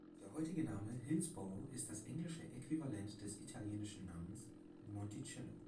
Der heutige Name Hillsboro ist das englische Äquivalent des italienischen Namens Monticello.